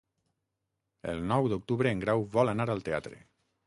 El nou d'octubre en Grau vol anar al teatre.